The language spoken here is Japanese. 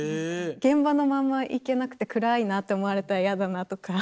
現場のまんまいけなくて暗いなと思われたらイヤだなとか。